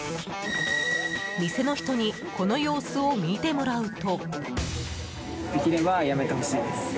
店の人にこの様子を見てもらうと。